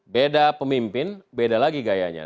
beda pemimpin beda lagi gayanya